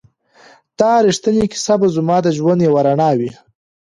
دا ریښتینې کیسه به زما د ژوند یوه رڼا وي.